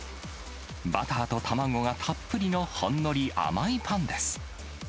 バターと卵がたっぷりの、ほんのり甘いパンです。